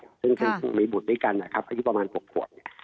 ค่ะซึ่งคงมีบุตรด้วยกันนะครับอยู่ประมาณหกขวดเนี่ย